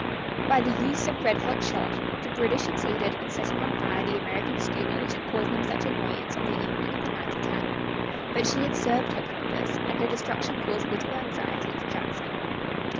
By the use of red hot shot the British succeeded in setting on fire the American schooner which had caused them such annoyance on the evening of the night attack; but she had served her purpose, and her destruction caused little anxiety to Jackson.